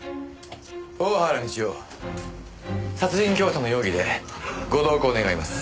大原美千代殺人教唆の容疑でご同行願います。